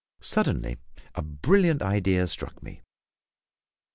Suddenly a brilliant idea struck me.